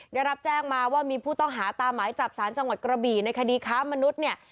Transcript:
ได้รับแจ้งมาว่ามีผู้ต้องหาตามหมายจับสารจังหวัดกระบี่ในคดีค้ามนุษย์เนี่ย